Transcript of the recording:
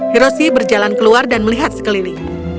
hiroshi berjalan keluar dan melihat sekeliling